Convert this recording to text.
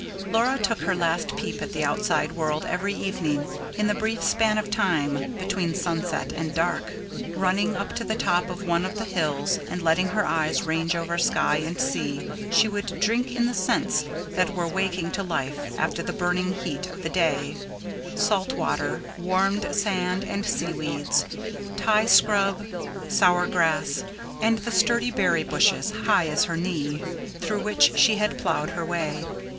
Laura took her last peep at the outside world, every evening, in the brief span of time between sunset and dark. Running up to the top of one of the hills, and letting her eyes range over sky and sea, she would drink in the scents that were waking to life after the burning heat of the day: salt water, warmed sand and seaweeds, ti scrub, sour grass, and the sturdy berry bushes, high as her knee, through which she had ploughed her way.